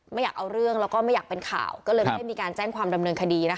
ไม่อยากเอาเรื่องแล้วก็ไม่อยากเป็นข่าวก็เลยไม่ได้มีการแจ้งความดำเนินคดีนะคะ